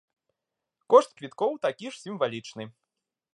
Кошт квіткоў такі ж сімвалічны.